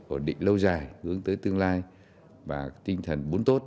ổn định lâu dài hướng tới tương lai và tinh thần bốn tốt